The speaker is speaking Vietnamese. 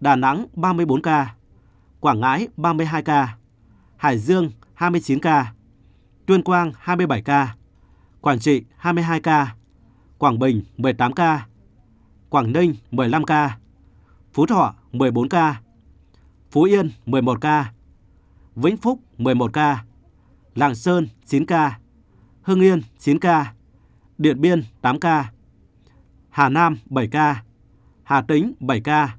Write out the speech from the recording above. đà nẵng ba mươi bốn ca quảng ngãi ba mươi hai ca hải dương hai mươi chín ca tuyên quang hai mươi bảy ca quảng trị hai mươi hai ca quảng bình một mươi tám ca quảng ninh một mươi năm ca phú thọ một mươi bốn ca phú yên một mươi một ca vĩnh phúc một mươi một ca lạng sơn chín ca hưng yên chín ca điện biên tám ca hà nam bảy ca hà tĩnh bảy ca